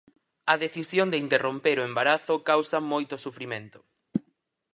A decisión de interromper o embarazo causa moito sufrimento.